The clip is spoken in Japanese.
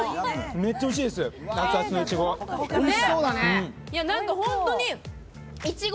めっちゃおいしいです、熱々のいちご。